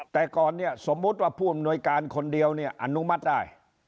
แต่ก่อนเนี่ยสมมุติว่าผู้อำนวยการคนเดียวเนี่ยอนุมัติได้